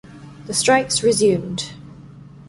The strikes resumed.